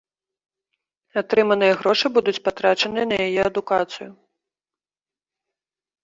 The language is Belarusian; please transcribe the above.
Атрыманыя грошы будуць патрачаныя на яе адукацыю.